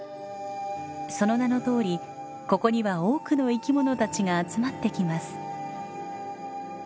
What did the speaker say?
その名のとおりここには多くの生き物たちが集まってきます。